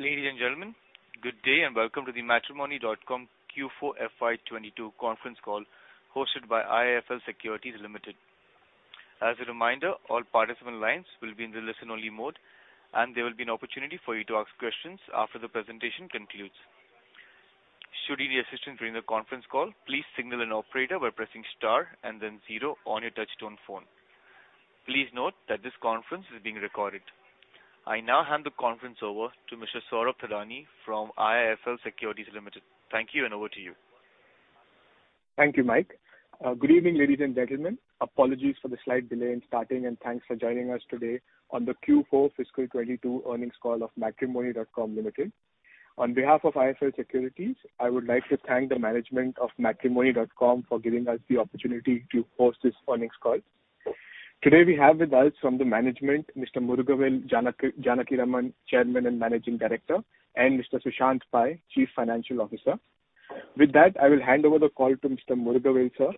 Ladies and gentlemen, good day and welcome to the Matrimony.com Q4 FY 22 conference call hosted by IIFL Securities Limited. As a reminder, all participant lines will be in the listen only mode, and there will be an opportunity for you to ask questions after the presentation concludes. Should you need assistance during the conference call, please signal an operator by pressing star and then zero on your touchtone phone. Please note that this conference is being recorded. I now hand the conference over to Mr. Saurav Dhirani from IIFL Securities Limited. Thank you, and over to you. Thank you, Mike. Good evening, ladies and gentlemen. Apologies for the slight delay in starting and thanks for joining us today on the Q4 fiscal 2022 earnings call of Matrimony.com Limited. On behalf of IIFL Securities, I would like to thank the management of Matrimony.com for giving us the opportunity to host this earnings call. Today we have with us from the management Mr. Murugavel Janakiraman, Chairman and Managing Director, and Mr. Sushant Pai, Chief Financial Officer. With that, I will hand over the call to Mr. Murugavel, sir,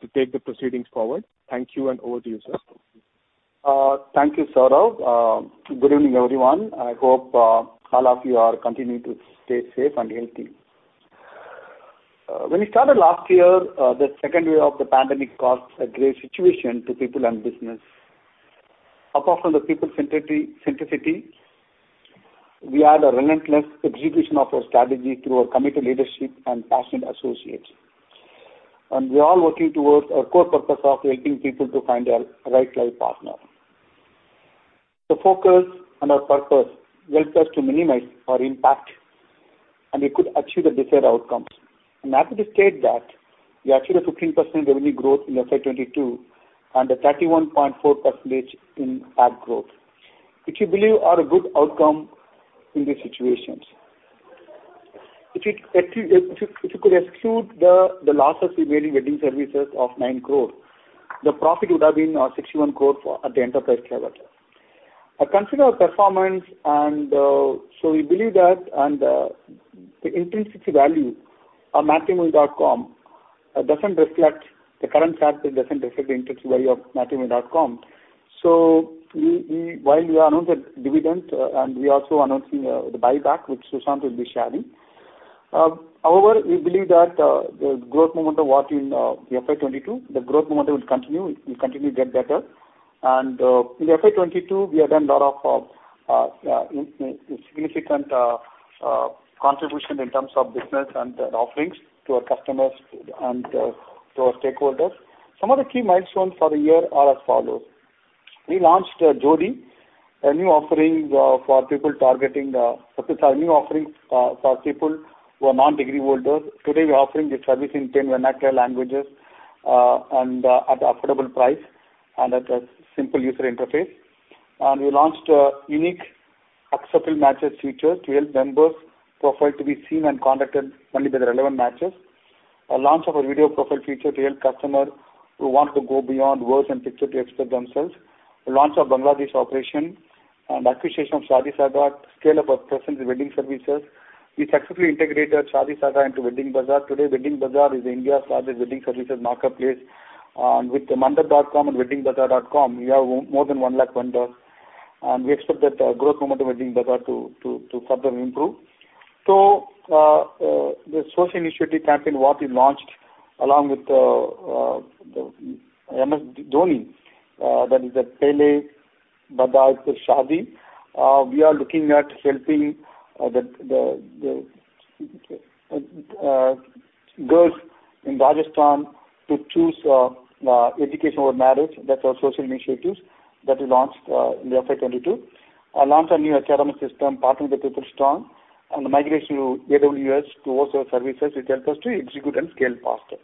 to take the proceedings forward. Thank you, and over to you, sir. Thank you, Saurav. Good evening, everyone. I hope all of you are continuing to stay safe and healthy. When we started last year, the second wave of the pandemic caused a grave situation to people and business. Apart from the people-centricity, we had a relentless execution of our strategy through our committed leadership and passionate associates. We are all working towards our core purpose of helping people to find their right life partner. The focus and our purpose helps us to minimize our impact, and we could achieve the desired outcomes. Happy to state that we achieved a 15% revenue growth in FY 2022 and a 31.4% EBITDA growth, which we believe are a good outcome in these situations. If you could exclude the loss of pre-wedding wedding services of 9 crore, the profit would have been 61 crore for at the enterprise level. I consider our performance and we believe that the intrinsic value of Matrimony.com doesn't reflect the current share price doesn't reflect the intrinsic value of Matrimony.com. While we announce that dividend and we're also announcing the buyback, which Sushant will be sharing. However, we believe that the growth momentum in the FY 2022 will continue, it will continue to get better. In FY 2022, we have done lot of significant contribution in terms of business and the offerings to our customers and to our stakeholders. Some of the key milestones for the year are as follows: We launched Jodii, a new offering, for people who are non-degree holders. Today, we are offering this service in 10 vernacular languages, and at affordable price and at a simple user interface. We launched a unique acceptable matches feature to help members' profile to be seen and contacted only by the relevant matches. The launch of a video profile feature to help customer who want to go beyond words and picture to express themselves. The launch of Bangladesh operation and acquisition of ShaadiSaga to scale up our presence in wedding services. We successfully integrated ShaadiSaga into WeddingBazaar. Today, WeddingBazaar is India's largest wedding services marketplace. With Mandap.com and WeddingBazaar.com, we have more than 1 lakh vendor. We expect that growth momentum of WeddingBazaar to further improve. The social initiative campaign what we launched along with the MS Dhoni, that is the Pehle Padhai Phir Shaadi. We are looking at helping the girls in Rajasthan to choose education over marriage. That's our social initiatives that we launched in FY 2022. We launched a new HRMS system partnered with PeopleStrong and the migration to AWS to host our services which help us to execute and scale faster.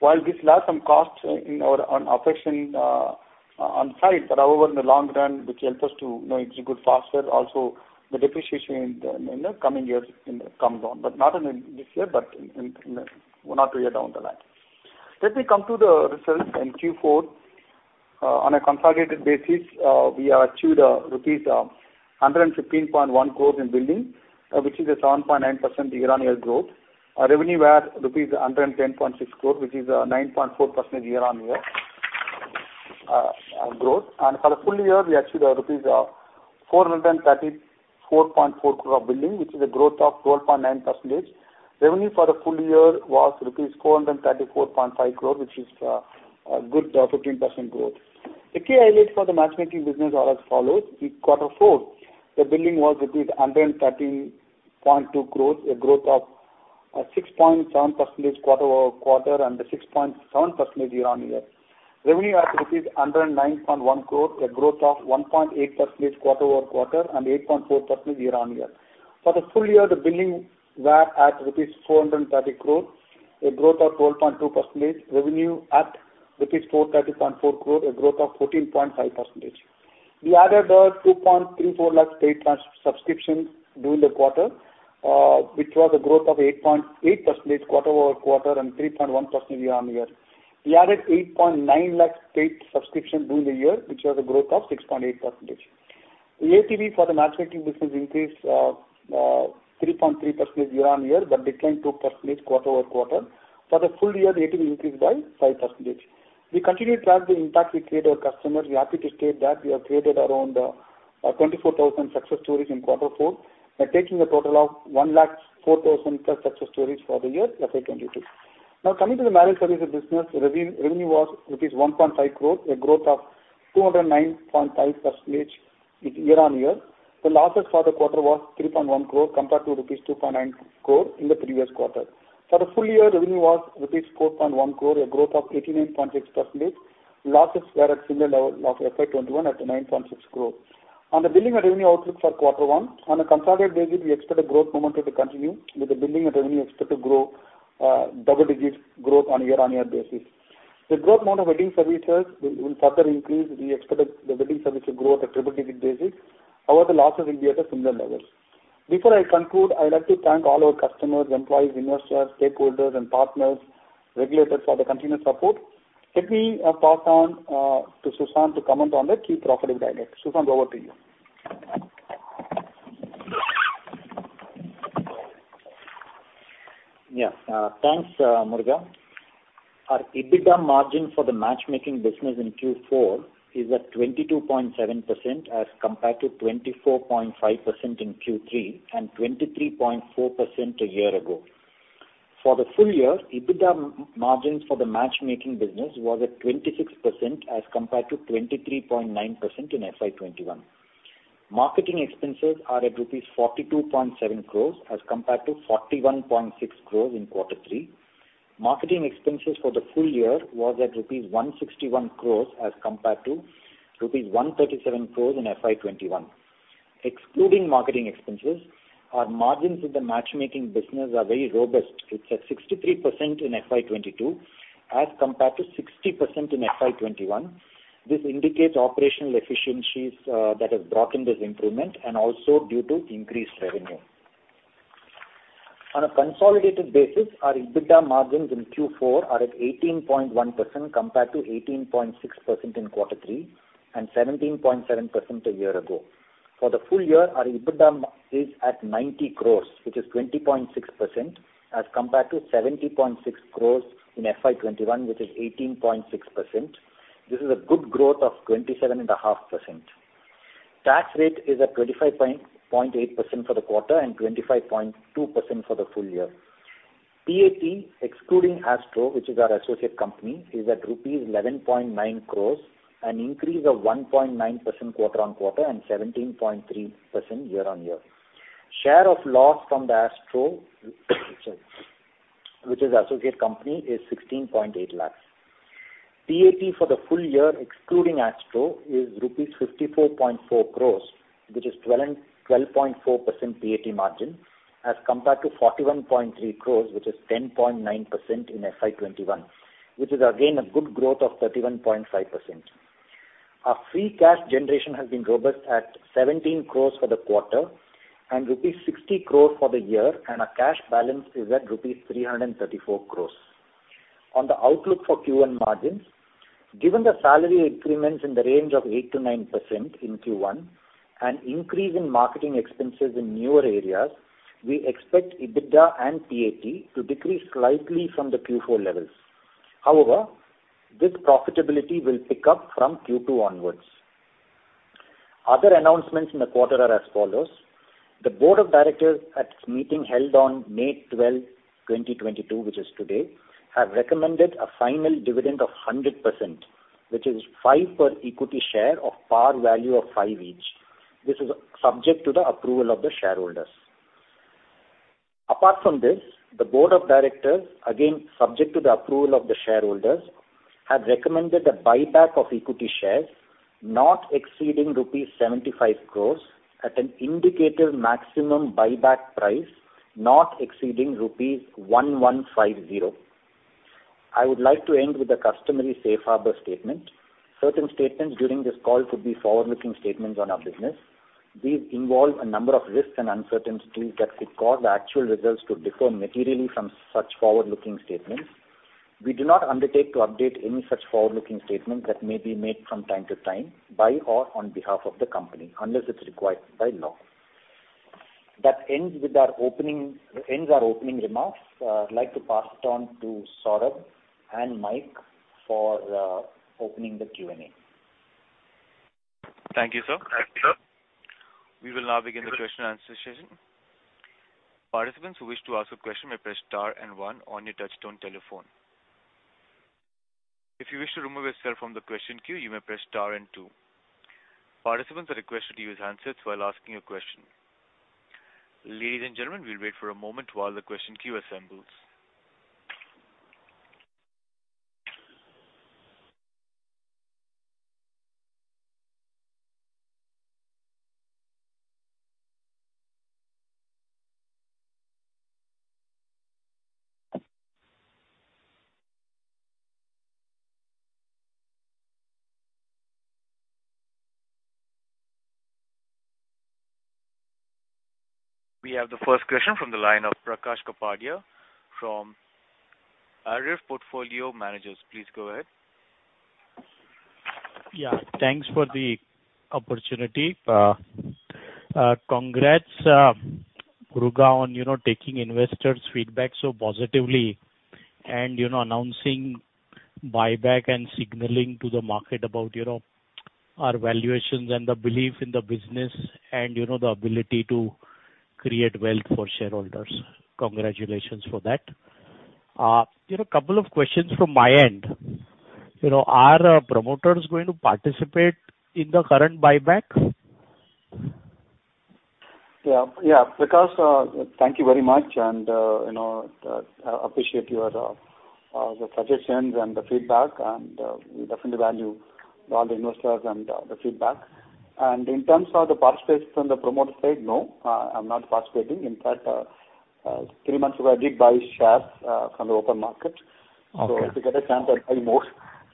While this will add some costs on OpEx and online, but however, in the long run, which help us to, you know, execute faster. The depreciation in the coming years comes down, but not in this year, but in one or two years down the line. Let me come to the results in Q4. On a consolidated basis, we achieved rupees 115.1 crore in billing, which is a 7.9% year-on-year growth. Our revenue were rupees 110.6 crore, which is 9.4% year-on-year growth. For the full-year, we achieved 434.4 crore of billing, which is a growth of 12.9%. Revenue for the full-year was rupees 434.5 crore, which is a good 15% growth. The key highlights for the matchmaking business are as follows. In quarter four, the billing was 113.2 crore, a growth of 6.7% quarter-over-quarter and 6.7% year-on-year. Revenue at 109.1 crore, a growth of 1.8% quarter-over-quarter and 8.4% year-on-year. For the full-year, the billing were at rupees 430 crore, a growth of 12.2%. Revenue at rupees 430.4 crore, a growth of 14.5%. We added 2.34 lakh paid subscriptions during the quarter, which was a growth of 8.8% quarter-over-quarter and 3.1% year-on-year. We + 8.9 lakh paid subscription during the year, which was a growth of 6.8%. The ATV for the matchmaking business increased 3.3% year-on-year, but declined 2% quarter-over-quarter. For the full-year, the ATV increased by 5%. We continue to track the impact we create our customers. We are happy to state that we have created around 24,000 success stories in quarter four, bringing a total of 104,000 success stories for the year FY 2022. Now coming to the managed services business. Revenue was rupees 1.5 crore, a growth of 209.5% year-on-year. The losses for the quarter was 3.1 crore compared to rupees 2.9 crore in the previous quarter. For the full-year, revenue was rupees 4.1 crore, a growth of 89.6%. Losses were at similar level of FY 2021 at 9.6 crore. On the billing and revenue outlook for Q1. On a consolidated basis, we expect the growth momentum to continue with the billing and revenue expected to grow, double-digit growth on a year-on-year basis. The growth amount of wedding services will further increase. We expect the wedding services to grow at a triple-digit basis. However, the losses will be at a similar level. Before I conclude, I'd like to thank all our customers, employees, investors, stakeholders and partners, regulators for their continuous support. Let me pass on to Sushant to comment on the key profitability highlights. Sushant, over to you. Yeah. Thanks, Murugavel. Our EBITDA margin for the matchmaking business in Q4 is at 22.7% as compared to 24.5% in Q3 and 23.4% a year ago. For the full-year, EBITDA margins for the matchmaking business was at 26% as compared to 23.9% in FY 2021. Marketing expenses are at rupees 42.7 crore as compared to 41.6 crore in quarter three. Marketing expenses for the full-year was at rupees 161 crore as compared to rupees 137 crore in FY 2021. Excluding marketing expenses, our margins in the matchmaking business are very robust. It's at 63% in FY 2022 as compared to 60% in FY 2021. This indicates operational efficiencies that have brought in this improvement and also due to increased revenue. On a consolidated basis, our EBITDA margins in Q4 are at 18.1% compared to 18.6% in quarter three and 17.7% a year ago. For the full-year, our EBITDA is at 90 crore, which is 20.6% as compared to 70.6 crore in FY 2021, which is 18.6%. This is a good growth of 27.5%. Tax rate is at 25.8% for the quarter and 25.2% for the full-year. PAT, excluding MatchAstro, which is our associate company, is at rupees 11.9 crore, an increase of 1.9% quarter-over-quarter and 17.3% year-over-year. Share of loss from the MatchAstro, excuse me, which is associate company, is 16.8 lakh. PAT for the full-year, excluding MatchAstro, is rupees 54.4 crore, which is 12.4% PAT margin as compared to 41.3 crore, which is 10.9% in FY 2021, which is again a good growth of 31.5%. Our free cash generation has been robust at 17 crore for the quarter and rupees 60 crore for the year, and our cash balance is at rupees 334 crore. On the outlook for Q1 margins, given the salary increments in the range of 8%-9% in Q1, and increase in marketing expenses in newer areas, we expect EBITDA and PAT to decrease slightly from the Q4 levels. However, this profitability will pick up from Q2 onwards. Other announcements in the quarter are as follows. The board of directors at its meeting held on May 12th, 2022, which is today, have recommended a final dividend of 100%, which is ₹5 per equity share of par value of ₹5 each. This is subject to the approval of the shareholders. Apart from this, the board of directors, again, subject to the approval of the shareholders, have recommended a buyback of equity shares not exceeding rupees 75 crores at an indicated maximum buyback price, not exceeding rupees 1,150. I would like to end with a customary safe harbor statement. Certain statements during this call could be forward-looking statements on our business. These involve a number of risks and uncertainties that could cause the actual results to differ materially from such forward-looking statements. We do not undertake to update any such forward-looking statements that may be made from time to time by or on behalf of the company, unless it's required by law. That ends our opening remarks. I'd like to pass it on to Saurabh and Mike for opening the Q&A. Thank you, sir. Thank you, sir. We will now begin the question-and-answer session. Participants who wish to ask a question may press star and one on your touchtone telephone. If you wish to remove yourself from the question queue, you may press star and two. Participants are requested to use handsets while asking a question. Ladies and gentlemen, we'll wait for a moment while the question queue assembles. We have the first question from the line of Prakash Kapadia from Anived Portfolio Managers. Please go ahead. Yeah. Thanks for the opportunity. Congrats, Murugavel on, you know, taking investors' feedback so positively and, you know, announcing buyback and signaling to the market about, you know, our valuations and the belief in the business and, you know, the ability to create wealth for shareholders. Congratulations for that. You know, couple of questions from my end. You know, are our promoters going to participate in the current buyback? Yeah. Prakash, thank you very much, and, you know, appreciate your suggestions and the feedback, and, we definitely value all the investors and the feedback. In terms of the participation from the promoter side, no, I'm not participating. In fact, three months ago, I did buy shares from the open market. Okay. If I get a chance, I'll buy more.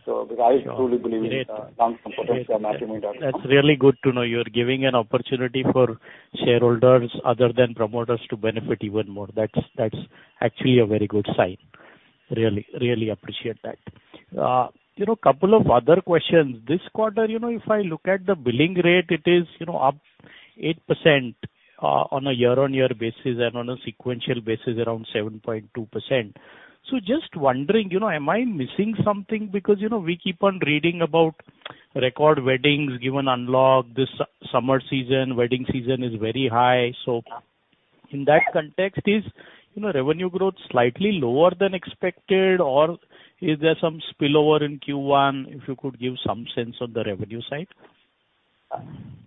Because I truly believe. Sure. Great. long-term potential of Matrimony.com. That's really good to know. You're giving an opportunity for shareholders other than promoters to benefit even more. That's actually a very good sign. Really appreciate that. You know, couple of other questions. This quarter, you know, if I look at the billing rate, it is, you know, up 8%, on a year-on-year basis and on a sequential basis around 7.2%. Just wondering, you know, am I missing something? Because, you know, we keep on reading about record weddings given unlock this summer season, wedding season is very high. In that context, is, you know, revenue growth slightly lower than expected, or is there some spillover in Q1? If you could give some sense on the revenue side.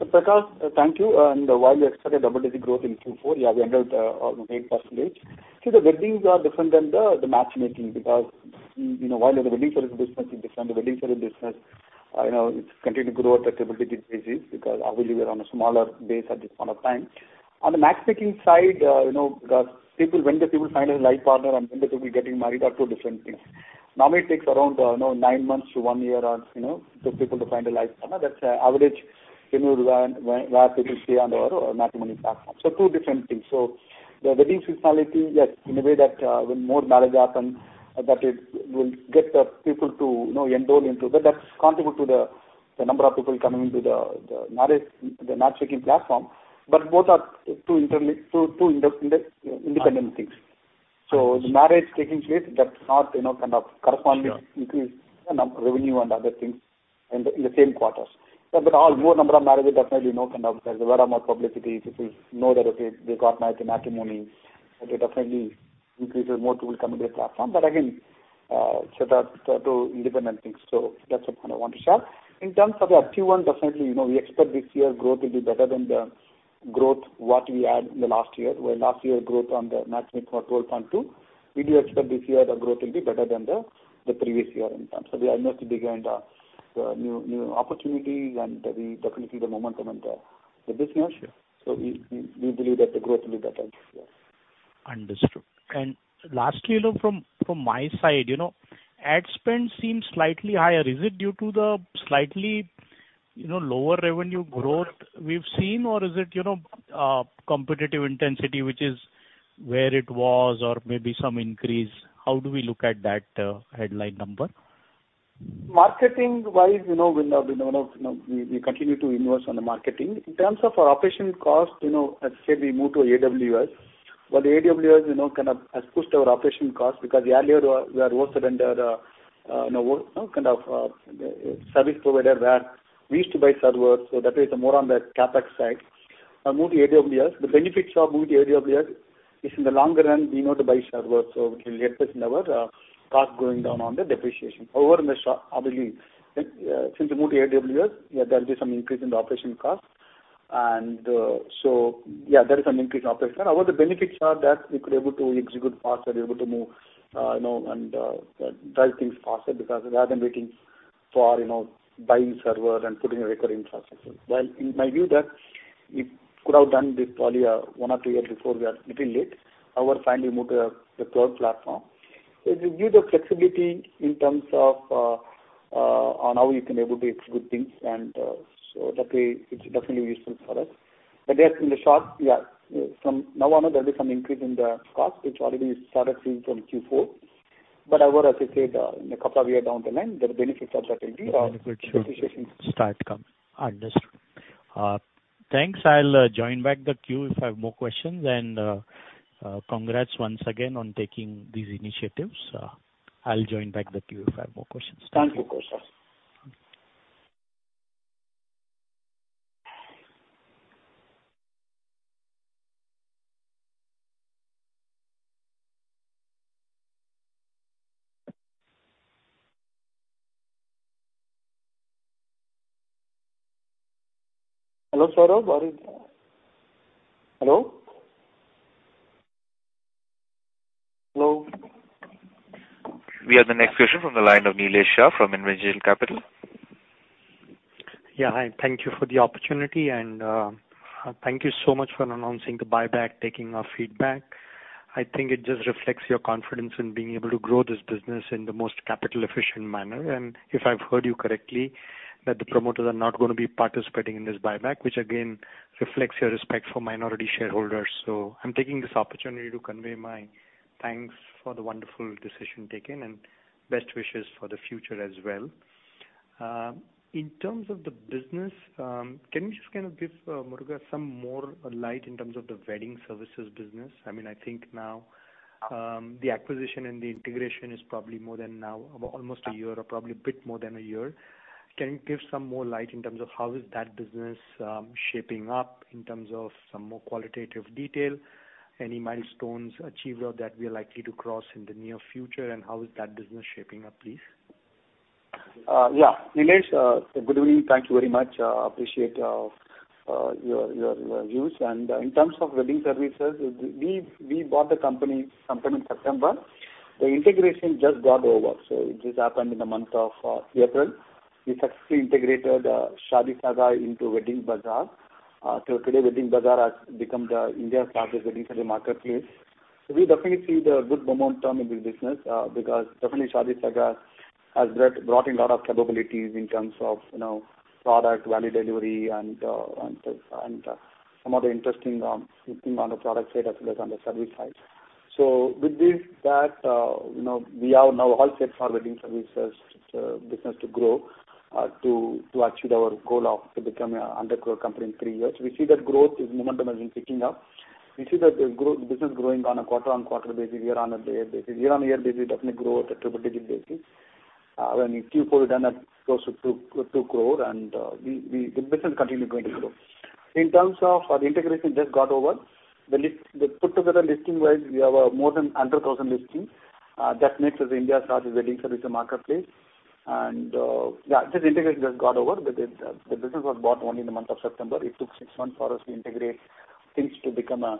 Prakash, thank you. While we expected double-digit growth in Q4, we ended with 8%. See, the weddings are different than the matchmaking because, you know, while the weddings are in business, it's different. The weddings are in business. You know, it's continued to grow at a double-digit basis because obviously we're on a smaller base at this point of time. On the matchmaking side, you know, because people, when the people find a life partner and when the people getting married are two different things. Normally, it takes around, you know, nine months to one year or, you know, for people to find a life partner. That's average, you know, when where people stay on our Matrimony platform. Two different things. The wedding seasonality, yes, in a way that, when more marriage happen, that it will get the people to, you know, enroll into that. That's contribute to the number of people coming into the marriage, the matchmaking platform. But both are two inter-independent things. The marriage taking place, that's not, you know, kind of corresponding increase- Sure. In our revenue and other things in the same quarters. A lot more number of marriages definitely, you know, kind of there's a lot more publicity. People know that, okay, they got married through Matrimony.com. They definitely increases more people coming to the platform. That's two independent things. That's what I kinda wanted to share. In terms of Q1, definitely, you know, we expect this year growth will be better than the growth what we had in the last year. Where last year growth on the matchmaking was 12.2%, we do expect this year the growth will be better than the previous year in terms of the investment behind the new opportunity, and we definitely see the momentum in the business. Sure. We believe that the growth will be better this year. Understood. Lastly, you know, from my side, you know, ad spend seems slightly higher. Is it due to the slightly, you know, lower revenue growth we've seen? Or is it, you know, competitive intensity, which is where it was or maybe some increase? How do we look at that, headline number? Marketing-wise, we'll continue to invest in the marketing. In terms of our operating cost, as said, we moved to AWS. The AWS kind of has pushed our operating cost because earlier we were hosted under the service provider where we used to buy servers, so that way it's more on the CapEx side. Now move to AWS. The benefits of moving to AWS is in the longer run, we won't need to buy servers, so it will help us in our cost going down on the depreciation. However, in the short, I believe, since we move to AWS, there'll be some increase in the operating cost. There is an increase in operation. However, the benefits are that we could able to execute faster, able to move, you know, and drive things faster because rather than waiting for, you know, buying server and putting a procuring infrastructure. Well, in my view that we could have done this probably one or two years before. We are little late. However, finally moved to the cloud platform. It will give the flexibility in terms of on how you can able to execute things and so that way it's definitely useful for us. But yes, in the short, from now on, there'll be some increase in the cost which already we started seeing from Q4. But however, as I said, in a couple of year down the line, there are benefits certainly, depreciation. The benefits should start coming. Understood. Thanks. I'll join back the queue if I have more questions. Congrats once again on taking these initiatives. I'll join back the queue if I have more questions. Thank you. Thank you, Prakash. Hello, Saurav. Are you there? Hello? Hello? We have the next question from the line of Nilesh Shah from Envision Capital. Yeah. Hi, thank you for the opportunity and thank you so much for announcing the buyback, taking our feedback. I think it just reflects your confidence in being able to grow this business in the most capital efficient manner. If I've heard you correctly, that the promoters are not gonna be participating in this buyback, which again reflects your respect for minority shareholders. I'm taking this opportunity to convey my .Thanks for the wonderful decision taken and best wishes for the future as well. In terms of the business, can you just kind of give, Murugavel, some more light in terms of the wedding services business? I mean, I think now, the acquisition and the integration is probably more than now, almost a year or probably a bit more than a year. Can you give some more light in terms of how is that business shaping up in terms of some more qualitative detail? Any milestones achieved or that we are likely to cross in the near future, and how is that business shaping up, please? Yeah. Nilesh, good evening. Thank you very much. Appreciate your views. In terms of wedding services, we bought the company sometime in September. The integration just got over, so it just happened in the month of April. We successfully integrated ShaadiSaga into WeddingBazaar. Today, WeddingBazaar has become India's largest wedding service marketplace. We definitely see the good momentum in this business because definitely ShaadiSaga has brought in lot of capabilities in terms of, you know, product value delivery and some other interesting thing on the product side as well as on the service side. With this, we are now all set for wedding services business to grow to achieve our goal of becoming a 100-crore company in three years. We see that growth momentum has been picking up. We see the business growing on a quarter-on-quarter basis, year-on-year basis. Year-on-year basis, definitely grow at a triple-digit basis. In Q4, we've done that close to 10 crore and the business continues to grow. In terms of the integration just got over. The put together listing-wise, we have more than 1,000 listings. That makes us India's largest wedding service marketplace. This integration just got over. The business was bought only in the month of September. It took six months for us to integrate things to become a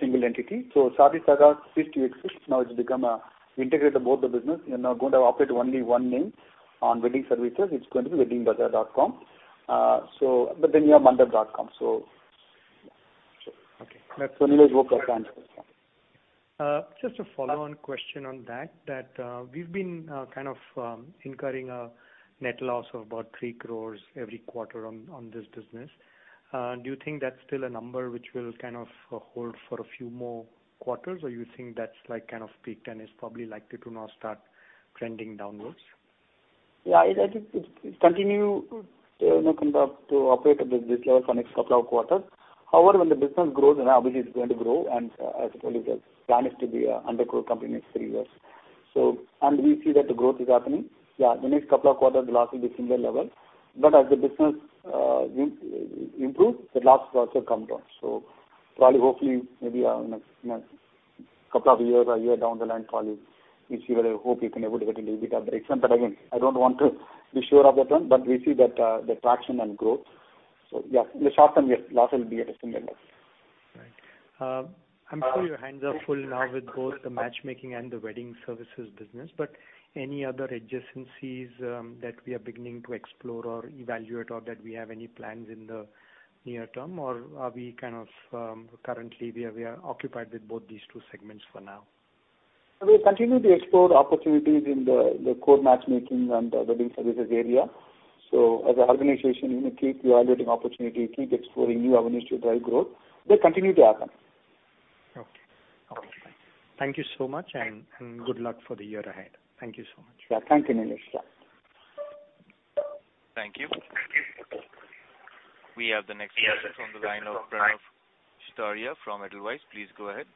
single entity. ShaadiSaga ceased to exist. Now, it's become integrated both the business. We are now going to operate only one name on wedding services. It's going to be WeddingBazaar.com. We have Mandap.com, so yeah. Okay. Nilesh, hope that answers your question. Just a follow-on question on that, we've been kind of incurring a net loss of about 3 crores every quarter on this business. Do you think that's still a number which will kind of hold for a few more quarters? Or you think that's like kind of peaked and is probably likely to now start trending downwards? Yeah, I think it continues to operate at this level for next couple of quarters. However, when the business grows, and obviously it's going to grow, and as I told you guys, plan is to be INR 100 crore company in next three years. We see that the growth is happening. Yeah, the next couple of quarters, the loss will be similar level. As the business improves, the loss will also come down. Probably, hopefully, maybe, next couple of years or a year down the line, probably we'll see whether hope we can able to get a little bit of the extent. Again, I don't want to be sure of that one, but we see that the traction and growth. Yeah, in the short term, yes, loss will be at a similar level. Right. I'm sure your hands are full now with both the matchmaking and the wedding services business, but any other adjacencies that we are beginning to explore or evaluate or that we have any plans in the near term? Are we kind of currently we are occupied with both these two segments for now? We'll continue to explore the opportunities in the core matchmaking and the wedding services area. As an organization, you know, keep evaluating opportunity, keep exploring new avenues to drive growth. They continue to happen. Okay, thank you. Thank you so much and good luck for the year ahead. Thank you so much. Yeah. Thank you, Nilesh. Yeah. Thank you. We have the next question from the line of Pranav Sitaria from Edelweiss. Please go ahead.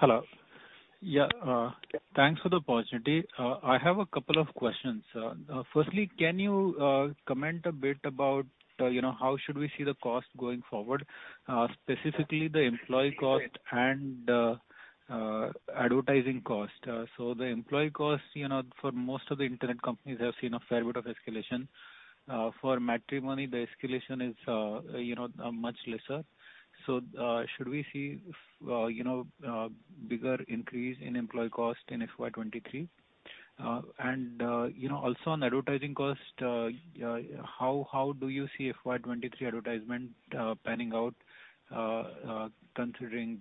Hello. Thanks for the opportunity. I have a couple of questions. Firstly, can you comment a bit about, you know, how should we see the cost going forward, specifically the employee cost and, advertising cost? The employee costs, you know, for most of the internet companies have seen a fair bit of escalation. For Matrimony, the escalation is, you know, much lesser. Should we see, you know, bigger increase in employee cost in FY23? You know, also on advertising cost, how do you see FY23 advertising panning out, considering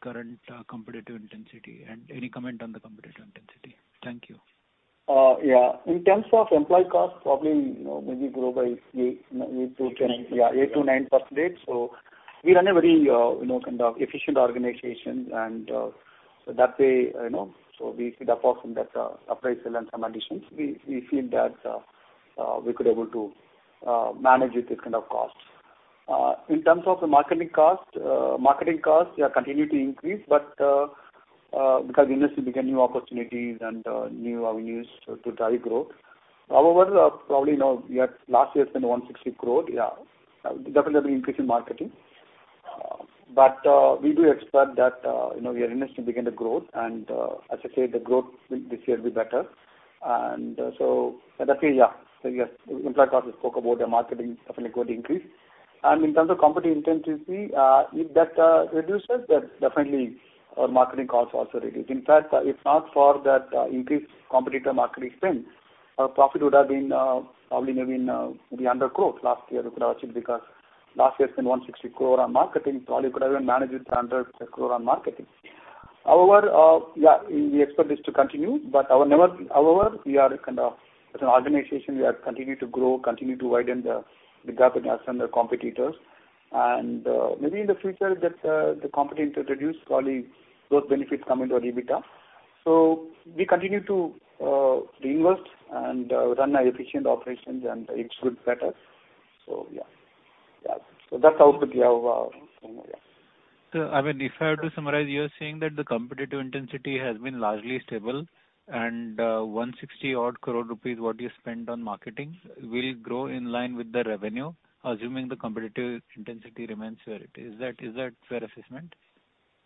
current competitive intensity? Any comment on the competitive intensity? Thank you. Yeah. In terms of employee cost, probably, you know, maybe grow by 8%-10%. eight - nine. Yeah, 8%-9%. We run a very, you know, kind of efficient organization and, so that way, you know, so we see the portion that appraisal and some additions. We feel that we could able to manage with this kind of cost. In terms of the marketing cost, marketing costs, they are continuing to increase, but because industry began new opportunities and new avenues to drive growth. However, last year we spent 160 crore. Yeah, definitely increase in marketing. But we do expect that, you know, we are industry begin the growth and, as I said, the growth will this year be better. But definitely, yeah. Yes, employee cost we spoke about, the marketing definitely going to increase. In terms of competitive intensity, if that reduces, that definitely our marketing costs also reduce. In fact, if not for that increased competitor marketing spend, our profit would have been probably maybe higher growth last year, it could have achieved because last year spent 160 crore on marketing, probably could have even managed with under 60 crore on marketing. However, we expect this to continue, but however, we are kind of as an organization, we continue to grow, continue to widen the gap with our standard competitors. Maybe in the future that the competition to reduce probably those benefits come into our EBITDA. We continue to reinvest and run our efficient operations and it's good, better. That's how we have. I mean, if I have to summarize, you are saying that the competitive intensity has been largely stable and, 160-odd crore rupees, what you spent on marketing will grow in line with the revenue, assuming the competitive intensity remains where it is. Is that fair assessment?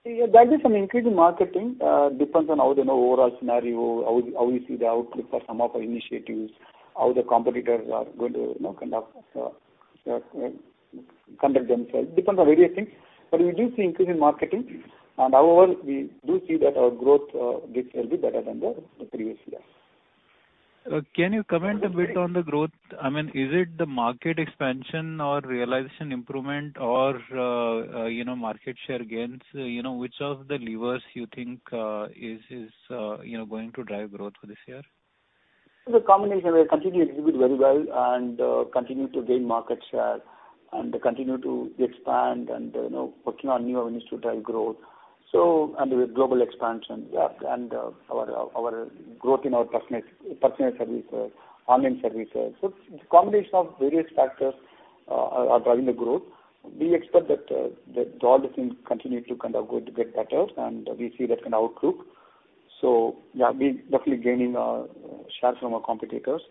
Yeah. There'll be some increase in marketing, depends on how the, you know, overall scenario, how we see the outlook for some of our initiatives, how the competitors are going to, you know, kind of, conduct themselves. Depends on various things. We do see increase in marketing. However, we do see that our growth this year will be better than the previous year. Can you comment a bit on the growth? I mean, is it the market expansion or realization improvement or you know market share gains? You know, which of the levers you think is you know going to drive growth for this year? The combination will continue to do very well and continue to gain market share and continue to expand and, you know, working on new avenues to drive growth. Under the global expansion and our growth in our personal services, online services. It's a combination of various factors are driving the growth. We expect that all the things continue to kind of go to get better and we see that kind of outlook. Yeah, we definitely gaining share from our competitors,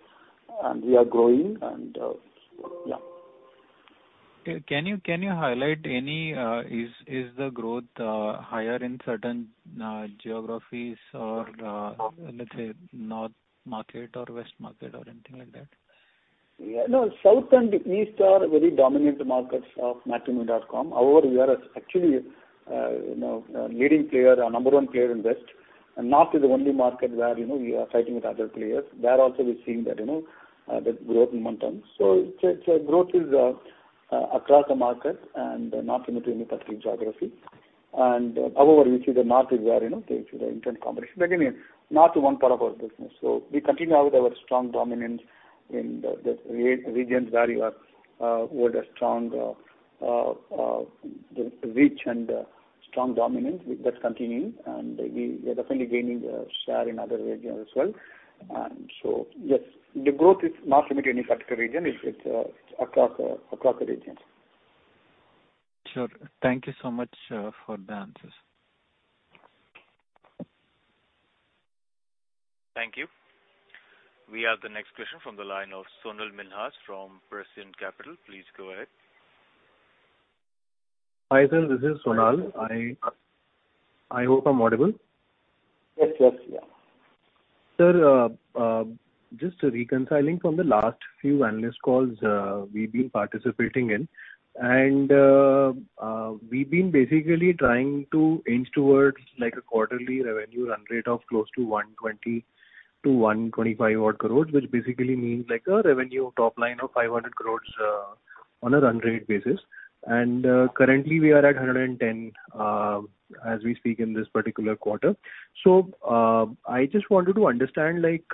and we are growing and yeah. Can you highlight any, is the growth higher in certain geographies or, let's say north market or west market or anything like that? Yeah, no, south and east are very dominant markets of Matrimony.com. However, we are actually, you know, a leading player, a number one player in west. North is the only market where, you know, we are fighting with other players. There also we're seeing that, you know, the growth momentum. It's growth is across the market and not limited to any particular geography. However, we see the north is where, you know, there is an intense competition. Again, north is one part of our business. We continue with our strong dominance in the regions where we hold a strong reach and strong dominance. That's continuing. We are definitely gaining share in other regions as well. Yes, the growth is not limited to any particular region. It's across the regions. Sure. Thank you so much for the answers. Thank you. We have the next question from the line of Sonal Minhas from Prescient Capital. Please go ahead. Hi, sir, this is Sonal. I hope I'm audible. Yes. Yes. Yeah. Sir, just reconciling from the last few analyst calls we've been participating in, and we've been basically trying to inch towards like a quarterly revenue run rate of close to 120-125 crores, which basically means like a revenue top line of 500 crores on a run rate basis. Currently, we are at 110 as we speak in this particular quarter. I just wanted to understand like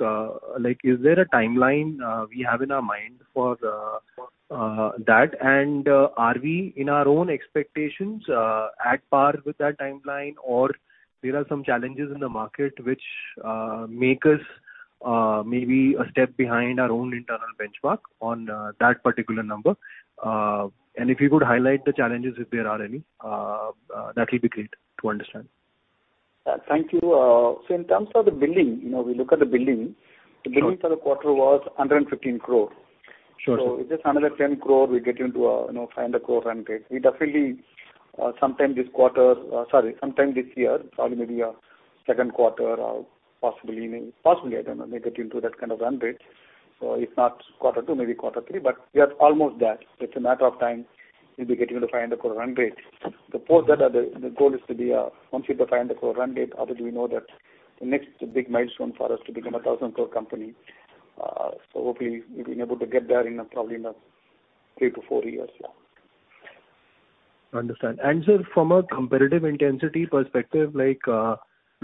is there a timeline we have in our mind for that? Are we in our own expectations at par with that timeline? Or there are some challenges in the market which make us maybe a step behind our own internal benchmark on that particular number. If you could highlight the challenges, if there are any, that'll be great to understand. Thank you. In terms of the billing, you know, we look at the billing. Sure. The billing for the quarter was 115 crore. Sure. Just another 10 crore, we get into, you know, 500 crore run rate. We definitely sometime this year, probably maybe second quarter or possibly, I don't know, may get into that kind of run rate. If not quarter two, maybe quarter three, but we are almost there. It's a matter of time, we'll be getting to the INR 500 crore run rate. The fourth quarter, the goal is to be once we hit the INR 500 crore run rate, obviously we know that the next big milestone for us to become an 1,000 crore company. Hopefully we'll be able to get there probably in a three-four years, yeah. Understood. Sir, from a competitive intensity perspective, like,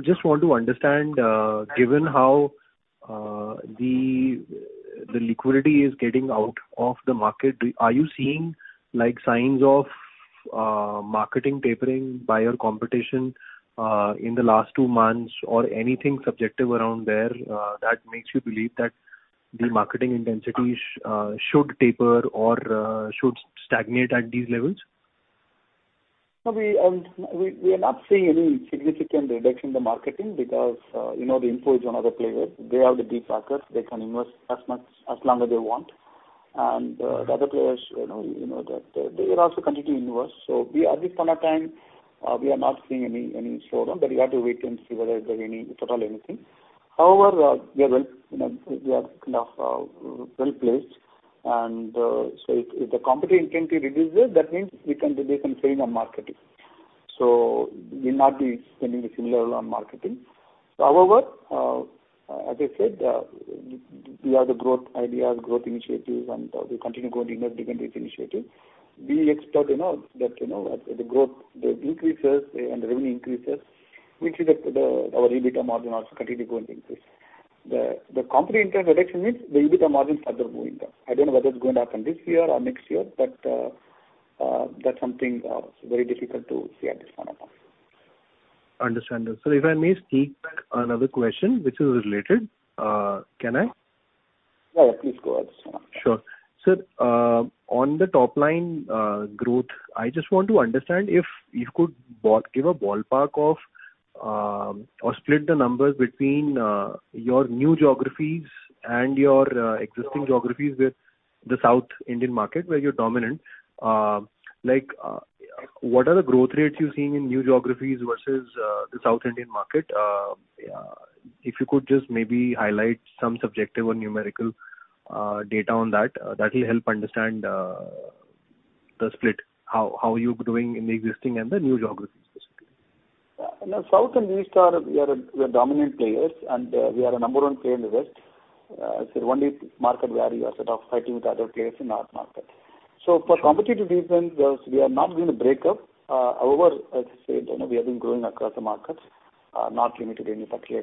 just want to understand, given how the liquidity is getting out of the market, are you seeing like signs of marketing tapering by your competition in the last two months or anything subjective around there that makes you believe that the marketing intensity should taper or should stagnate at these levels? No, we are not seeing any significant reduction in the marketing because Info Edge is one of the players. They have the deep pockets. They can invest as much as they want. The other players, you know that they will also continue to invest. We at this point of time are not seeing any slowdown, but we have to wait and see whether there's any total anything. However, we are kind of well-placed and so if the competitive intensity reduces, that means we can reduce and save on marketing. We'll not be spending the same on marketing. However, as I said, we have the growth ideas, growth initiatives, and we continue growing independent initiative. We expect, you know, that, you know, the growth, the increases and the revenue increases, our EBITDA margin also continue going to increase. The company internal reduction means the EBITDA margins are going up. I don't know whether it's going to happen this year or next year, but that's something very difficult to see at this point of time. Understandable. If I may sneak another question which is related, can I? Yeah, please go ahead. Sure. Sir, on the top line, growth, I just want to understand if you could give a ballpark of, or split the numbers between, your new geographies and your, existing geographies with the South Indian market where you're dominant. Like, what are the growth rates you're seeing in new geographies versus, the South Indian market? If you could just maybe highlight some subjective or numerical, data on that will help understand, the split, how you're doing in the existing and the new geographies specifically. In the south and east we are dominant players, and we are a number one player in the west. Only market where we are sort of fighting with other players in north market. For competitive reasons, we are not doing the breakup. However, as I said, you know, we have been growing across the markets, not limited in particular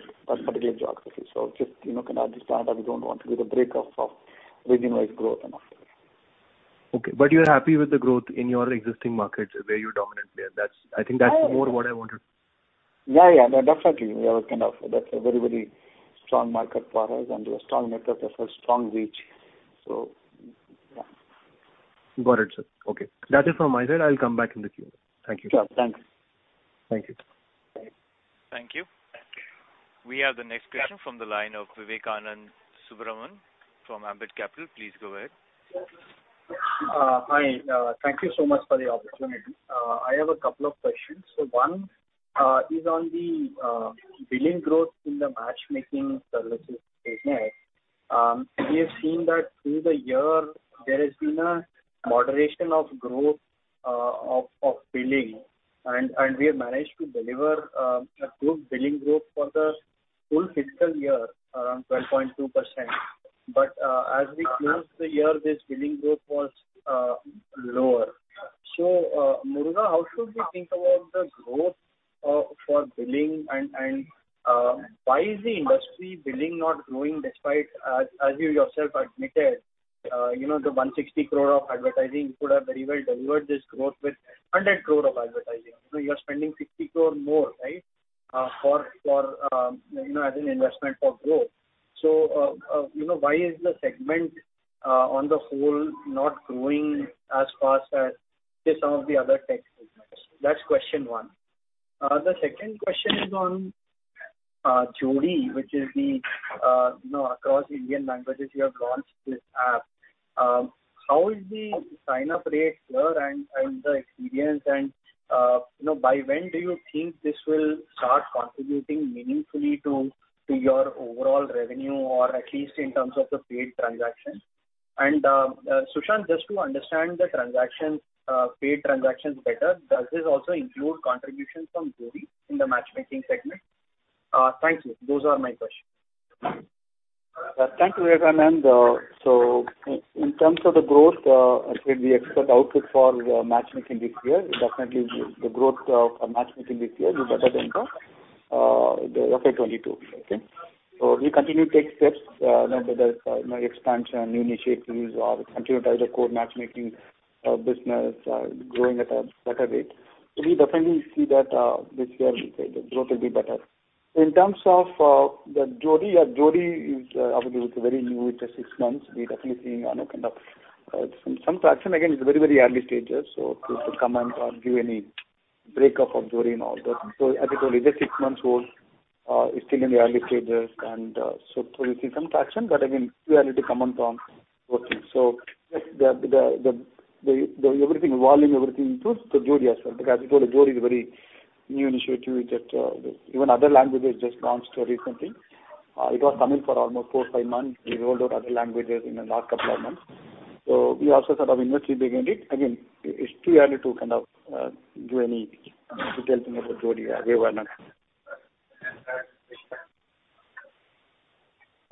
geographies. Just, you know, kind of at this point that we don't want to give a breakup of regionalized growth and all. Okay. You're happy with the growth in your existing markets where you're dominant player. That's, I think that's more what I wanted. Yeah, yeah. No, definitely. That's a very, very strong market for us and we have strong network, that's a strong reach. Yeah. Got it, sir. Okay. That is from my side. I'll come back in the queue. Thank you, sir. Sure. Thanks. Thank you. Bye. Thank you. Thank you. We have the next question from the line of Vivekanand Subbaraman from Ambit Capital. Please go ahead. Hi. Thank you so much for the opportunity. I have a couple of questions. One is on the billing growth in the matchmaking services segment. We have seen that through the year there has been a moderation of growth of billing and we have managed to deliver a good billing growth for the full-fiscal-year, around 12.2%. As we close the year, this billing growth was lower. Murugavel, how should we think about the growth for billing and why is the industry billing not growing despite, as you yourself admitted, you know, the 160 crore of advertising could have very well delivered this growth with 100 crore of advertising. You know, you're spending 60 crore more, right? You know, as an investment for growth. You know, why is the segment on the whole not growing as fast as, say, some of the other tech segments? That's question one. The second question is on Jodii, which is the, you know, across Indian languages you have launched this app. How is the sign-up rate here and the experience and, you know, by when do you think this will start contributing meaningfully to your overall revenue or at least in terms of the paid transactions? Sushanth, just to understand the transactions, paid transactions better, does this also include contributions from Jodii in the matchmaking segment? Thank you. Those are my questions. Thank you, Vivekanand. In terms of the growth, I think we expect outlook for matchmaking this year, definitely the growth of matchmaking this year is better than the FY 2022, okay? We continue to take steps, you know, whether it's, you know, expansion, new initiatives or continue to drive the core matchmaking business growing at a better rate. We definitely see that, this year the growth will be better. In terms of the Jodii, yeah, Jodii is obviously it's very new, it's just six months. We're definitely seeing, you know, kind of, some traction. Again, it's very, very early stages, so to comment or give any breakup of Jodii and all, but as I told you, it's just six months old. It's still in the early stages and so we see some traction, but again, too early to comment on those things. So just the everything, volume, everything includes the Jodii as well. Because as I told you, Jodii is a very new initiative. We just even other languages just launched recently. It was Tamil for almost four-fivemonths. We rolled out other languages in the last couple of months. So we also kind of invested behind it. Again, it's too early to kind of give any detail thing about Jodii. We will not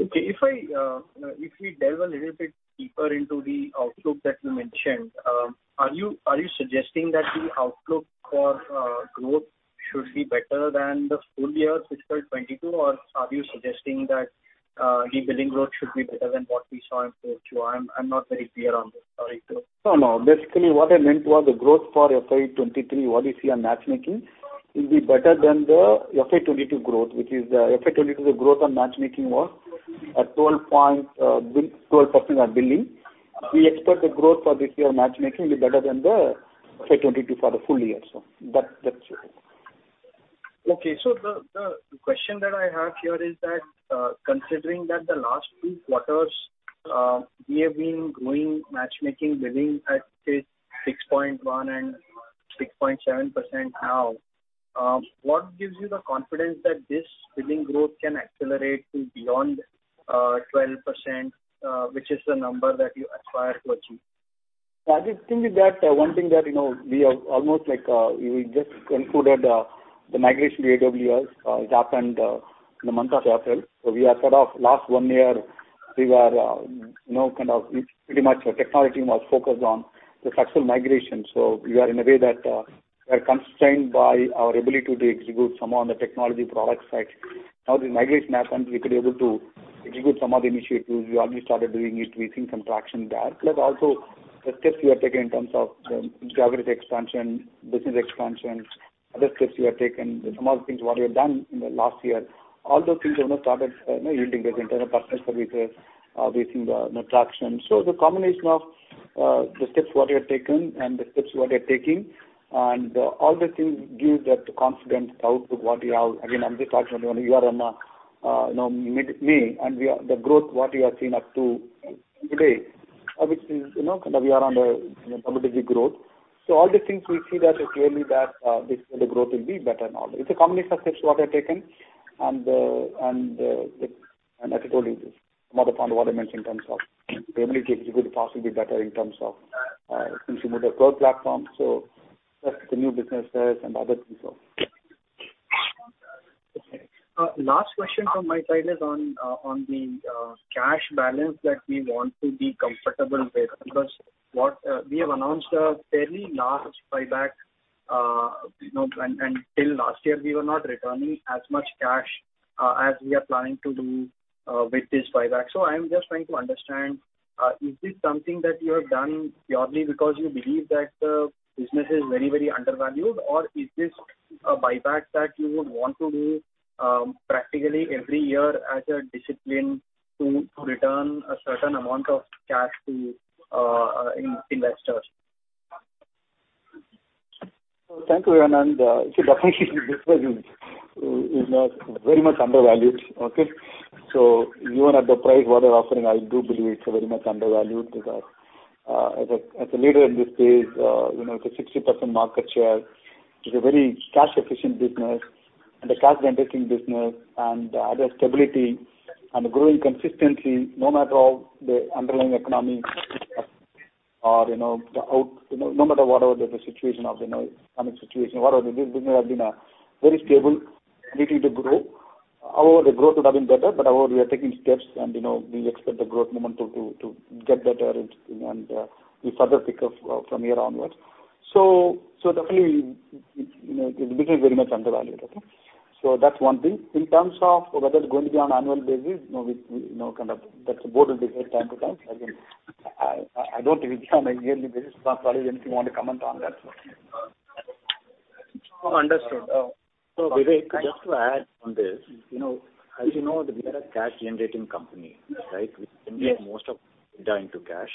Okay. If we delve a little bit deeper into the outlook that you mentioned, are you suggesting that the outlook for growth should be better than the full-year fiscal 2022, or are you suggesting that the billing growth should be better than what we saw in FY 2022? I'm not very clear on this. Sorry. No, no. Basically what I meant was the growth for FY 2023, what we see on matchmaking, will be better than the FY 2022 growth. Which is the FY 2022, the growth on matchmaking was at 12% on billing. We expect the growth for this year matchmaking will be better than the FY 2022 for the full-year. That, that's it. Okay. The question that I have here is that, considering that the last few quarters, we have been growing matchmaking billing at, say, 6.1% and 6.7% now, what gives you the confidence that this billing growth can accelerate to beyond 12%, which is the number that you aspire to achieve? I think with that, one thing that, you know, we have almost like we just concluded the migration to AWS, it happened in the month of April. We are sort of last one year, we were, you know, kind of pretty much our technology was focused on the successful migration. We are in a way that we are constrained by our ability to execute some on the technology product side. Now the migration happened, we could able to execute some of the initiatives. We already started doing it. We're seeing some traction there. The steps we are taking in terms of geographic expansion, business expansion, other steps we have taken, some of the things what we have done in the last year, all those things, you know, started yielding results in terms of partner services, we've seen the traction. The combination of the steps what we have taken and the steps what we are taking and all the things give that confidence output what we have. Again, I'm just talking only we are on a, you know, mid-May, and we are the growth what we have seen up to today, which is, you know, kind of we are on a, you know, double-digit growth. All these things we see that clearly that this year the growth will be better now. It's a combination of steps what we have taken and, like, as I told you, some of the points what I mentioned in terms of the ability to execute the platform will be better in terms of consumer growth platform, so plus the new businesses and other things also. Okay. Last question from my side is on the cash balance that we want to be comfortable with. Because what we have announced a fairly large buyback, you know, and till last year we were not returning as much cash as we are planning to do with this buyback. I am just trying to understand is this something that you have done purely because you believe that the business is very, very undervalued? Or is this a buyback that you would want to do practically every year as a discipline to return a certain amount of cash to investors? Thank you, Vivekanand. See definitely this was, you know, very much undervalued. Okay? Even at the price what we are offering, I do believe it's a very much undervalued. As a leader in this space, you know, it's a 60% market share. It's a very cash efficient business and a cash generating business and the stability and growing consistently no matter the underlying economic situation, whatever it is, this business has been a very stable, ready to grow. However, the growth would have been better, however, we are taking steps and, you know, we expect the growth momentum to get better and with further pickup from here onwards. Definitely, you know, this is very much undervalued. Okay? That's one thing. In terms of whether it's going to be on annual basis, you know, you know, kind of that's the board will decide time to time. Again, I don't think it's on a yearly basis. Ramprasad, if you want to comment on that. Understood. Uh. Vivek, just to add on this, you know, as you know, we are a cash generating company, right? Yes. We convert most of it into cash.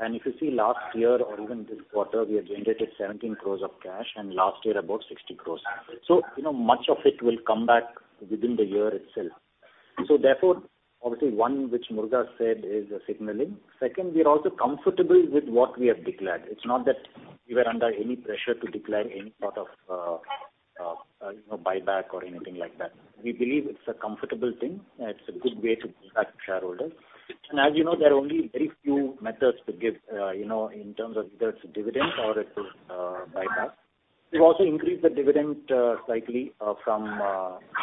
If you see last year or even this quarter, we have generated 17 crores of cash, and last year about 60 crores. You know, much of it will come back within the year itself. Therefore, obviously one which Muruga said is a signaling. Second, we are also comfortable with what we have declared. It's not that we were under any pressure to declare any sort of, you know, buyback or anything like that. We believe it's a comfortable thing, and it's a good way to give back to shareholders. As you know, there are only very few methods to give, you know, in terms of whether it's a dividend or it is, buyback. We've also increased the dividend slightly, from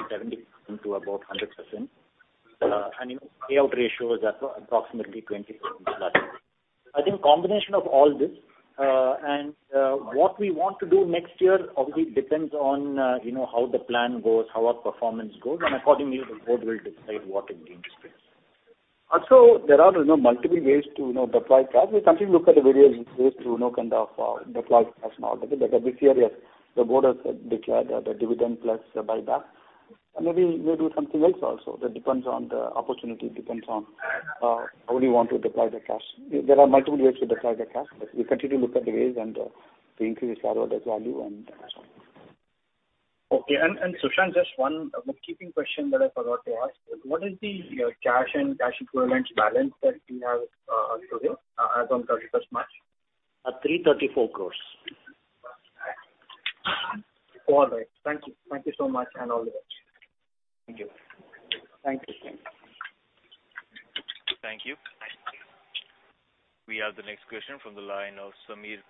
70% to about 100%. You know, payout ratio is approximately +20%. I think combination of all this, what we want to do next year obviously depends on, you know, how the plan goes, how our performance goes, and accordingly the board will decide what it deems fit. Also, there are, you know, multiple ways to, you know, deploy cash. We continue to look at the various ways to, you know, kind of, deploy cash and all. Okay? Like this year, the board has declared the dividend plus buyback. Maybe we'll do something else also. That depends on the opportunity, depends on how we want to deploy the cash. There are multiple ways to deploy the cash. We continue to look at the ways and to increase shareholder value and that's all. Okay. Sushanth, just one bookkeeping question that I forgot to ask. What is the cash and cash equivalents balance that we have till here as on March 31st? INR 334 crores. All right. Thank you. Thank you so much, and all the best. Thank you. Thank you. Thank you. We have the next question from the line of Sameer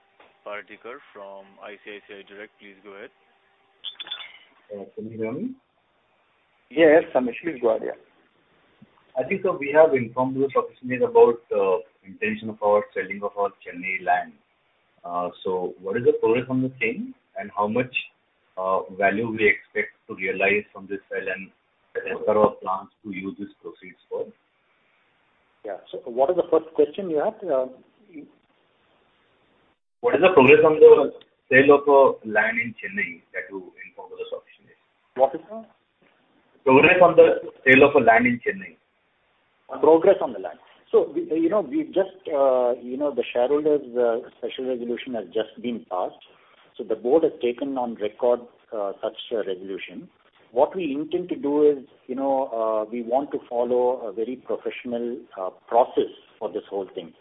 Pardikar from ICICI Direct. Please go ahead. Can you hear me? Yes, Sameer. Please go ahead, yeah. I think we have informed you sufficiently about intention of our selling of our Chennai land. What is the progress on the same, and how much value we expect to realize from this sale? What are our plans to use these proceeds for? Yeah. What is the first question you asked? What is the progress on the sale of land in Chennai that you informed us officially? What is that? Progress on the sale of a land in Chennai. Progress on the land. We, you know, just, the shareholders special resolution has just been passed. The board has taken on record such a resolution. What we intend to do is, you know, we want to follow a very professional process for this whole thing.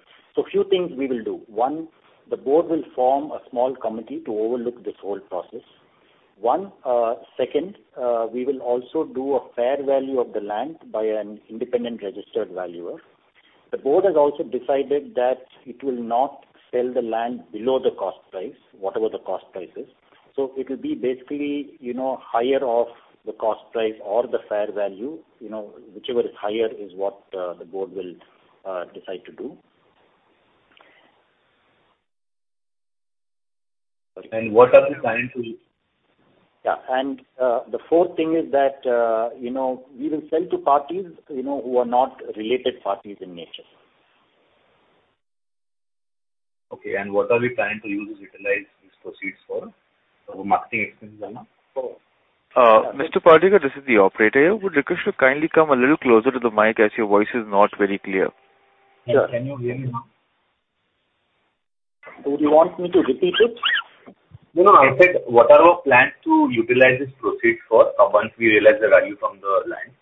Few things we will do. One, the board will form a small committee to overlook this whole process. Second, we will also do a fair value of the land by an independent registered valuer. The board has also decided that it will not sell the land below the cost price, whatever the cost price is. It'll be basically, you know, higher of the cost price or the fair value, you know, whichever is higher is what the board will decide to do. What are we planning to. Yeah. The fourth thing is that, you know, we will sell to parties, you know, who are not related parties in nature. Okay. What are we planning to use to utilize these proceeds for? For marketing expenses? Mr. Sameer Pardikar, this is the operator. Would request you to kindly come a little closer to the mic as your voice is not very clear. Yeah. Can you hear me now? Do you want me to repeat it? No, no. I said, what are our plans to utilize this proceeds for, once we realize the value from the land?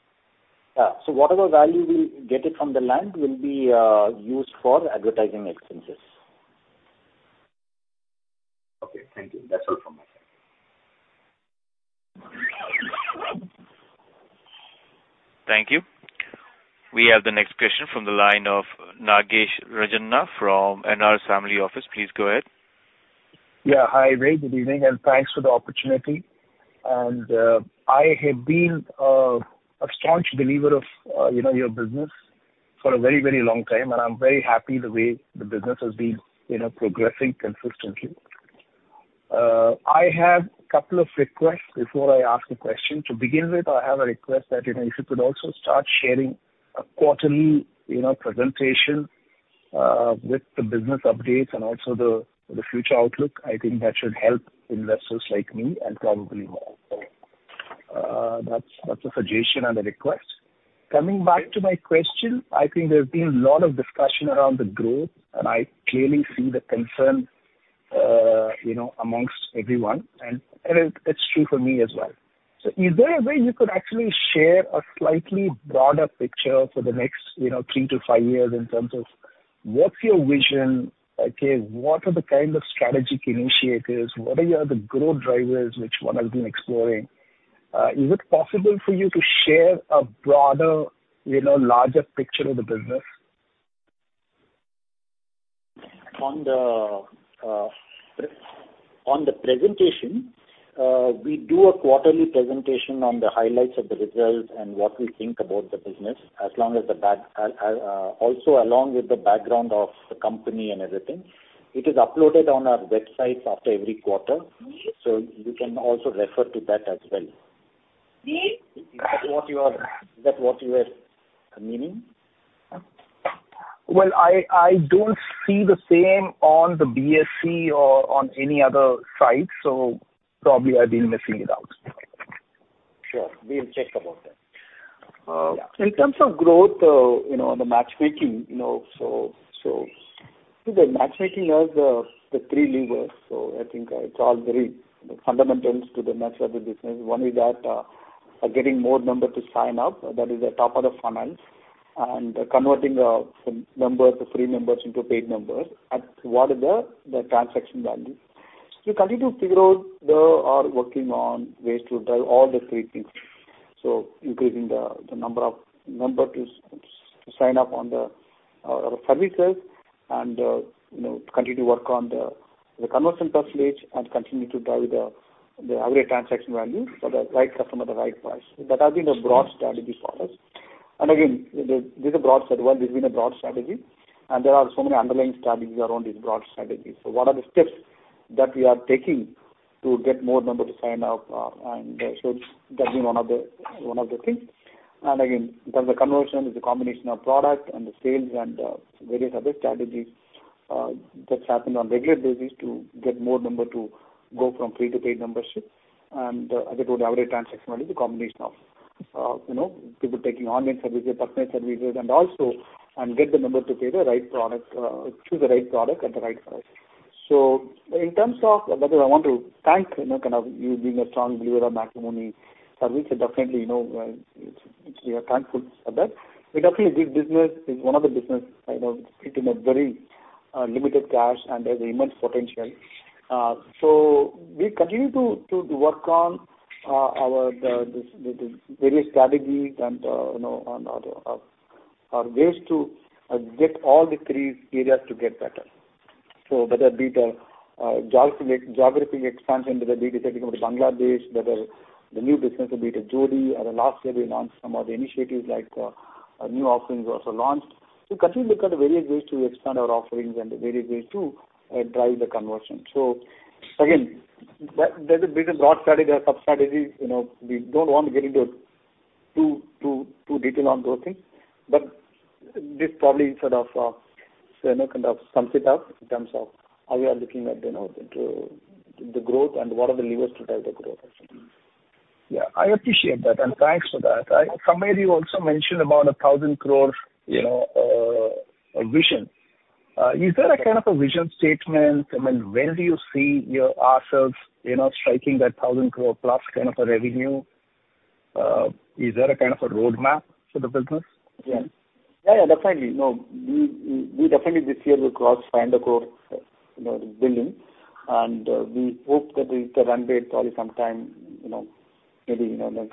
Yeah. Whatever value we'll get it from the land will be used for advertising expenses. Okay, thank you. That's all from my side. Thank you. We have the next question from the line of Nagesh Rajanna from NR Family Office. Please go ahead. Yeah. Hi, Rajanna. Good evening, and thanks for the opportunity. I have been a staunch believer of you know, your business for a very, very long time, and I'm very happy the way the business has been you know, progressing consistently. I have couple of requests before I ask a question. To begin with, I have a request that you know, if you could also start sharing a quarterly you know, presentation with the business updates and also the future outlook. I think that should help investors like me and probably more. That's a suggestion and a request. Coming back to my question, I think there's been a lot of discussion around the growth, and I clearly see the concern you know, among everyone, and it's true for me as well. Is there a way you could actually share a slightly broader picture for the next, you know, three-five years in terms of what's your vision? Okay, what are the kind of strategic initiatives? What are your other growth drivers which one has been exploring? Is it possible for you to share a broader, you know, larger picture of the business? On the presentation, we do a quarterly presentation on the highlights of the results and what we think about the business, also along with the background of the company and everything. It is uploaded on our websites after every quarter. You can also refer to that as well. Is that what you were meaning? Well, I don't see the same on the BSE or on any other site, so probably I've been missing it out. Sure. We'll check about that. In terms of growth, you know, the matchmaking, you know. The matchmaking has the three levers. I think it's all very fundamental to the nature of the business. One is that, getting more members to sign up, that is the top of the funnel, and converting some members, the free members into paid members at what is the transaction value. We are working on ways to drive all the three things. Increasing the number of members to sign up on our services and, you know, continue to work on the conversion percentage and continue to drive the average transaction value for the right customer at the right price. That has been the broad strategy for us. Again, this is a broad strategy. This has been a broad strategy, and there are so many underlying strategies around this broad strategy. What are the steps that we are taking to get more member to sign up, and so that's been one of the things. Again, in terms of conversion, it's a combination of product and the sales and various other strategies that's happened on regular basis to get more member to go from free to paid membership. As I told, the average transaction value is a combination of, you know, people taking online services, partner services, and also, and get the member to pay the right product, choose the right product at the right price. In terms of... By the way, I want to thank, you know, kind of you being a strong believer of Matrimony service. Definitely, you know, we are thankful for that. Definitely this business is one of the business, you know, it's in a very limited cash and there's immense potential. We continue to work on the various strategies and, you know, on other ways to get all the three areas to get better. Whether be the geographic expansion, whether be the setting up of Bangladesh, whether the new business will be the Jodii or the last year we launched some of the initiatives like new offerings were also launched. We continue look at the various ways to expand our offerings and the various ways to drive the conversion. Again, that's a bit of broad strategy or sub-strategy. You know, we don't want to get into too detailed on those things. This probably sort of, you know, kind of sums it up in terms of how we are looking at, you know, the growth and what are the levers to drive the growth actually. Yeah, I appreciate that, and thanks for that. I somewhere you also mentioned about 1,000 crore, you know, vision. Is that a kind of a vision statement? I mean, when do you see yourselves, you know, striking that+ 1,000 crore kind of a revenue Is there a kind of a roadmap for the business? Yeah, definitely. No, we definitely this year will cross 500 crore, you know, billion. We hope that we hit the run rate probably sometime, you know, maybe, you know, in the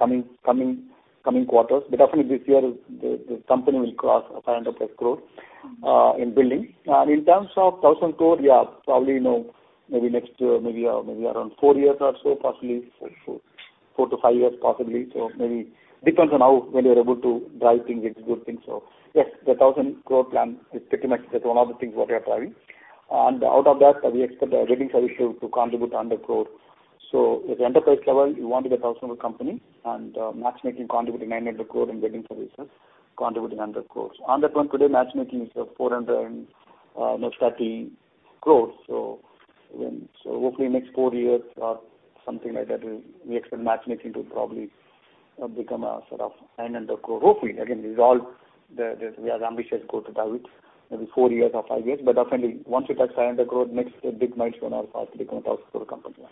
coming quarters. Definitely this year the company will cross 500+ crore in billing. In terms of 1,000 crore, yeah, probably, you know, maybe next year, maybe around four years or so, possibly four -five years, possibly. Maybe depends on how when we are able to drive things, it's good thing. Yes, the 1,000 crore plan is pretty much that one of the things what we are driving. Out of that, we expect our wedding services to contribute 100 crore. At the enterprise level, we want to be a INR 1,000 crore company and, matchmaking contributing 900 crore and wedding services contributing 100 crore. On that one today, matchmaking is 430 crore. Hopefully next four years or something like that, we expect matchmaking to probably become a sort of INR 900 crore, hopefully. Again, this is all. We have ambitious goal to drive it maybe four years or five years, but definitely once you touch INR 900 crore, next big milestone are possibly become a 1,000 crore company.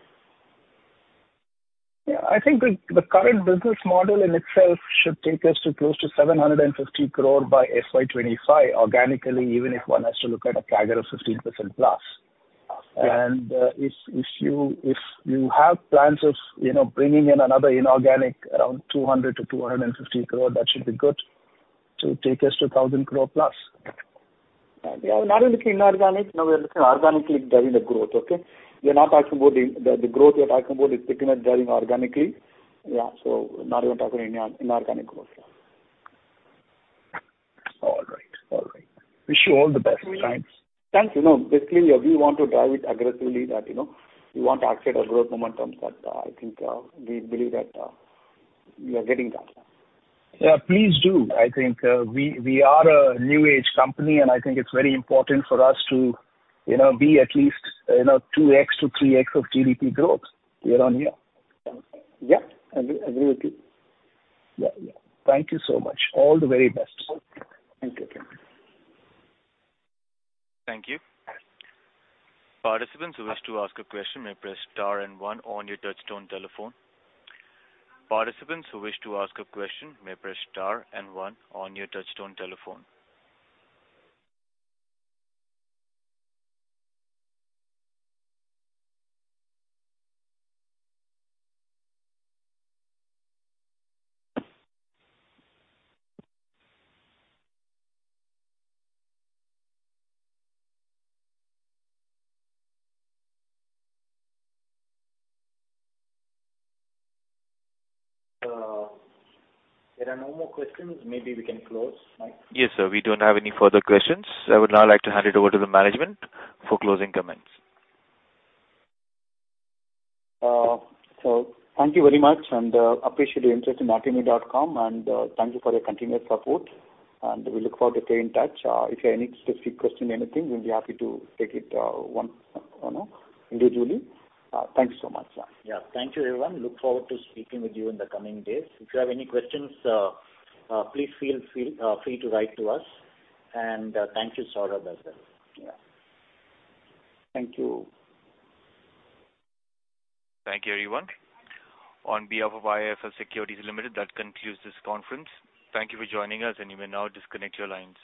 Yeah. I think the current business model in itself should take us to close to 750 crore by FY 2025 organically, even if one has to look at a CAGR of +15%. Plus, yeah. If you have plans of, you know, bringing in another inorganic around 200 crore-250 crore, that should be good to take us to +1,000 crore. Yeah. We are not only looking at inorganic. No, we are looking at organically driving the growth. Okay? We're not talking about the growth. The growth we're talking about is pretty much driven organically. Yeah. Not even talking about any inorganic growth. Yeah. All right. Wish you all the best. Thanks. Thanks. You know, basically, we want to drive it aggressively that, you know, we want to accelerate our growth momentum that, I think, we believe that, we are getting that. Yeah, please do. I think we are a new age company, and I think it's very important for us to, you know, be at least, you know, 2x-3x of GDP growth year-on-year. Yeah. Agree with you. Yeah. Thank you so much. All the very best. Thank you. Thank you. Thank you. Participants who wish to ask a question may press star and one on your touchtone telephone. There are no more questions. Maybe we can close, Mike. Yes, sir. We don't have any further questions. I would now like to hand it over to the management for closing comments. Thank you very much, and appreciate the interest in Matrimony.com, and thank you for your continued support, and we look-forward to stay in touch. If you have any specific question, anything, we'll be happy to take it, one-on-one individually. Thank you so much. Yeah. Thank you, everyone. Look-forward to speaking with you in the coming days. If you have any questions, please feel free to write to us. Thank you, Saurabh, as well. Yeah. Thank you. Thank you, everyone. On behalf of IIFL Securities Limited, that concludes this conference. Thank you for joining us, and you may now disconnect your lines.